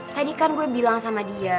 tadi kan gue bilang sama dia